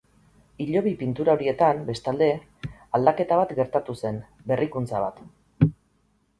Hilobi pintura horietan, bestalde, aldaketa bat gertatu zen, berrikuntza bat.